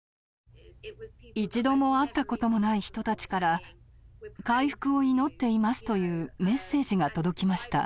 一度も会ったこともない人たちから「回復を祈っています」というメッセージが届きました。